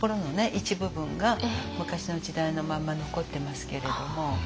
一部分が昔の時代のまんま残ってますけれども。